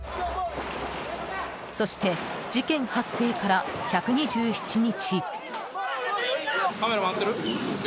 そして、事件発生から１２７日。